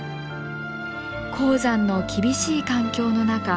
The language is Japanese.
高山の厳しい環境の中